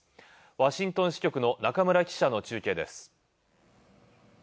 ワシントン支局の中村記者の中継です。